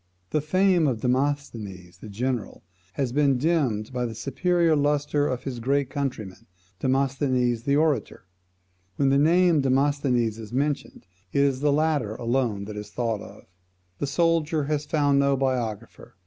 The fame of Demosthenes the general, has been dimmed by the superior lustre of his great countryman, Demosthenes the orator. When the name of Demosthenes is mentioned, it is the latter alone that is thought of. The soldier has found no biographer.